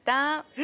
え！？